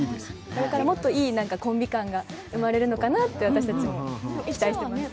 これからもっといいコンビ感が生まれるのかなって私たちも期待しています。